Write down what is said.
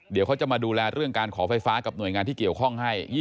เดี๋ยวเขาจะมาดูแลเรื่องการขอไฟฟ้ากับหน่วยงานที่เกี่ยวข้องให้